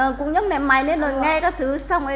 ờ cũng nhấc ném máy lên rồi nghe các thứ xong ấy